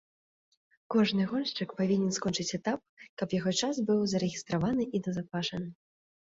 Кожны гоншчык павінен скончыць этап, каб яго час быў зарэгістраваны і назапашаны.